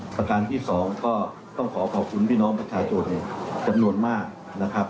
ประการที่สองก็ต้องขอขอบคุณพี่น้องประชาชนจำนวนมากนะครับ